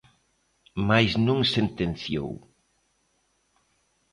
Mais non sentenciou.